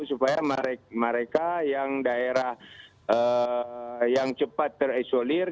supaya mereka yang daerah yang cepat terisolir